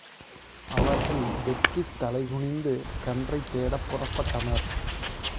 அவர்கள் வெட்கித் தலைகுனிந்து கன்றைத் தேடப் புறப்பட்டனர்.